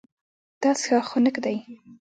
دا څښاک خنک دی.